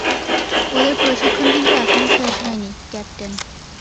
ওদের প্রশিক্ষণ কিন্তু এখনো শেষ হয়নি, ক্যাপ্টেন।